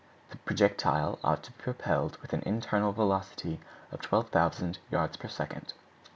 The projectile ought to be propelled with an initial velocity of 12,000 yards per second.